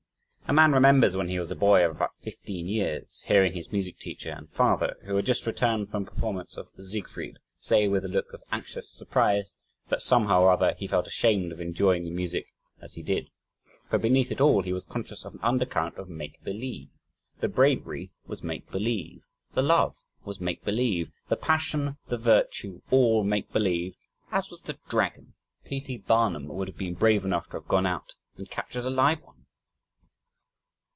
A man remembers, when he was a boy of about fifteen years, hearing his music teacher (and father) who had just returned from a performance of Siegfried say with a look of anxious surprise that "somehow or other he felt ashamed of enjoying the music as he did," for beneath it all he was conscious of an undercurrent of "make believe" the bravery was make believe, the love was make believe, the passion, the virtue, all make believe, as was the dragon P. T. Barnum would have been brave enough to have gone out and captured a live one!